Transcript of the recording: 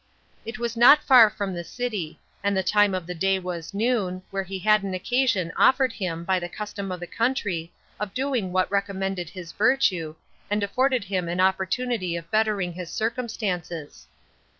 It was not far from the city, and the time of the day was noon, where he had an occasion offered him by the custom of the country of doing what recommended his virtue, and afforded him an opportunity of bettering his circumstances.